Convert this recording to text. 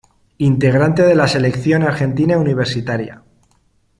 Integrante de la selección argentina universitaria.